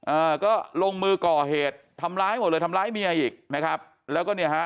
อ่าก็ลงมือก่อเหตุทำร้ายหมดเลยทำร้ายเมียอีกนะครับแล้วก็เนี่ยฮะ